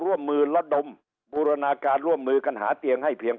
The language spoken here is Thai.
ร่วมมือระดมบูรณาการร่วมมือกันหาเตียงให้เพียง